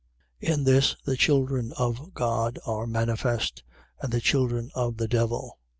In this the children of God are manifest, and the children of the devil.